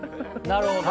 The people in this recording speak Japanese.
なるほど。